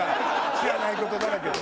知らない事だらけで。